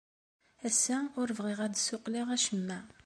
Ass-a, ur bɣiɣ ad d-ssuqqleɣ acemma.